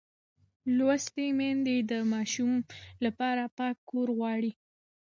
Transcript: لوستې میندې د ماشوم لپاره پاک کور غواړي.